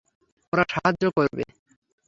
ওরা সাহায্য করবে!